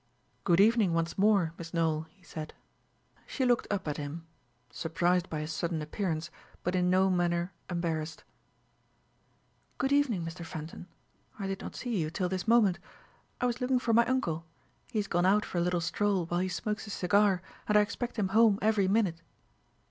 "Good evening once more, Miss Nowell," he said. She looked up at him, surprised by his sudden appearance, but in no manner embarrassed. "Good evening, Mr. Fenton. I did not see you till this moment. I was looking for my uncle. He has gone out for a little stroll while he smokes his cigar, and I expect him home every minute."